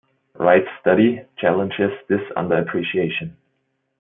Wright's study challenges this under-appreciation.